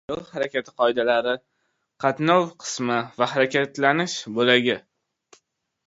Yo‘l harakati qoidalari: Qatnov qismi va harakatlanish bo‘lagi